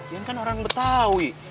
ian kan orang betawi